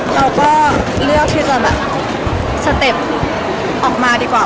เราก็เลือกที่จะแบบสเต็ปออกมาดีกว่า